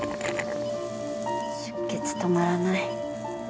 出血止まらない。